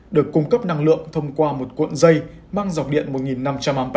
được cung cấp năng lượng thông qua một cuộn dây mang dọc điện một năm trăm linh a